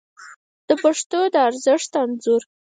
د پښتو د ارزښت انځور